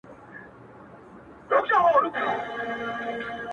• زلفي او باڼه اشــــــنـــــــــــا،